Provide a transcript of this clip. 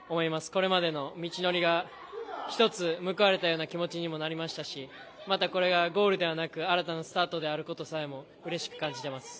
これまでの道のりが１つ報われたような気がしますし、また、これがゴールではなく新たなスタートであることさえもうれしく感じてます。